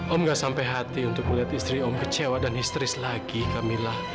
om gak sampai hati untuk melihat istri om kecewa dan istri selagi kamila